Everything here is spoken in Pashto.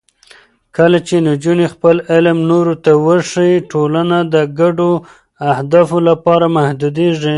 کله چې نجونې خپل علم نورو ته وښيي، ټولنه د ګډو اهدافو لپاره متحدېږي.